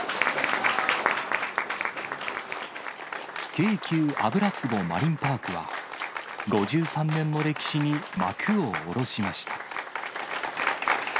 京急油壺マリンパークは、５３年の歴史に幕を下ろしました。